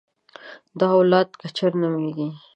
دا اولاد کچر نومېږي.